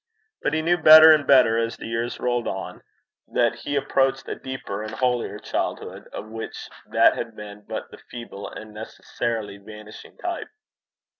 But he knew better and better, as the years rolled on, that he approached a deeper and holier childhood, of which that had been but the feeble and necessarily vanishing type.